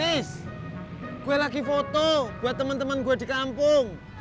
is gue lagi foto buat temen temen gue di kampung